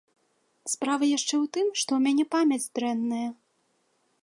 Справа яшчэ ў тым, што ў мяне памяць дрэнная.